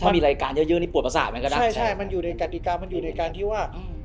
มันอยู่ในกฎิกาที่ว่า